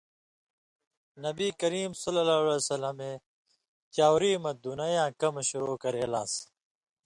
نبی کریم صلی اللہ علیہ وسلم چاؤری مہ دُنَیں یاں کمہۡ شروع کرے لان٘س؛